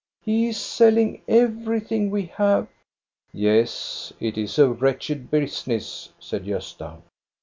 He is selling everything we have." " Yes, it is a wretched business," said Gosta.